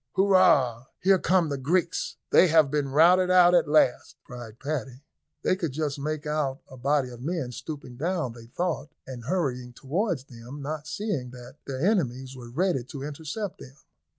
"Hurrah! here come the Greeks, they have been routed out at last," cried Paddy. They could just make out a body of men stooping down, they thought, and hurrying towards them, not seeing that their enemies were ready to intercept them.